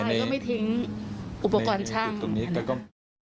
ตัวตายก็ไม่ทิ้งอุปกรณ์ชั่ง